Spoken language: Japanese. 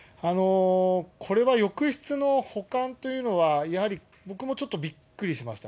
これは浴室の保管というのは、やはり僕もちょっとびっくりしました。